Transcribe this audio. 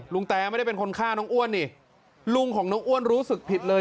แตไม่ได้เป็นคนฆ่าน้องอ้วนนี่ลุงของน้องอ้วนรู้สึกผิดเลย